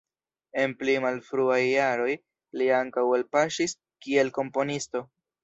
En pli malfruaj jaroj li ankaŭ elpaŝis kiel komponisto.